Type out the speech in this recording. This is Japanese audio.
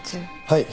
はい。